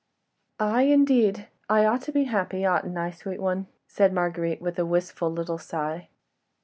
"Aye, indeed! I ought to be happy—oughtn't I, sweet one?" said Marguerite, with a wistful little sigh.